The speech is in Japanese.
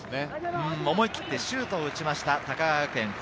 思い切ってシュートを打ちました、高川学園。